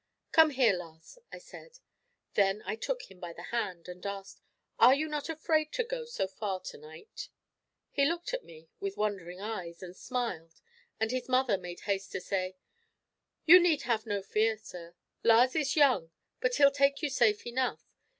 "Come here, Lars," I said. Then I took him by the hand, and asked, "Are you not afraid to go so far to night?" He looked at me with wondering eyes, and smiled; and his mother made haste to say: "You need have no fear, sir. Lars is young; but he'll take you safe enough.